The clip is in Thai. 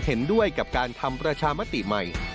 เห็นด้วยกับการทำประชามติใหม่